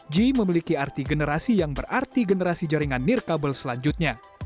g memiliki arti generasi yang berarti generasi jaringan nirkabel selanjutnya